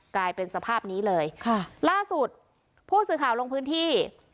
กลายเป็นสภาพนี้เลยค่ะล่าสุดผู้สื่อข่าวลงพื้นที่